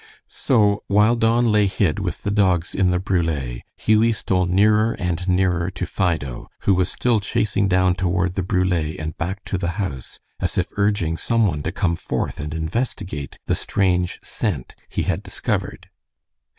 So, while Don lay hid with the dogs in the brule, Hughie stole nearer and nearer to Fido, who was still chasing down toward the brule and back to the house, as if urging some one to come forth and investigate the strange scent he had discovered.